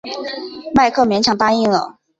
迈克勉强答应了。